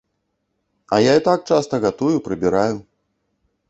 А я і так часта гатую, прыбіраю.